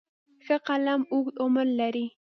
ښه قلم اوږد عمر لري.